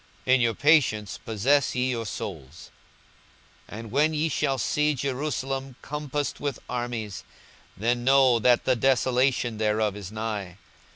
42:021:019 In your patience possess ye your souls. 42:021:020 And when ye shall see Jerusalem compassed with armies, then know that the desolation thereof is nigh.